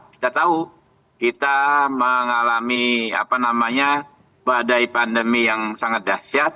kita tahu kita mengalami badai pandemi yang sangat dahsyat